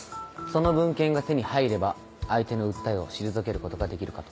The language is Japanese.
その文献が手に入れば相手の訴えを退けることができるかと。